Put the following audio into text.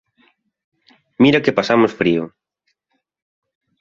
Mira que pasamos frío.